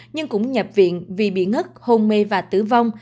nhưng cũng nhập viện vì bị ngất hôn mê và tử vong